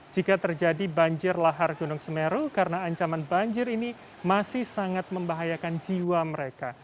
jika terjadi banjir lahar gunung semeru karena ancaman banjir ini masih sangat membahayakan jiwa mereka